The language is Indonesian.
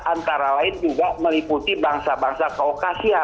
antara lain juga meliputi bangsa bangsa kaukasia